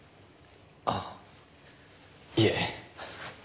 あっいえ。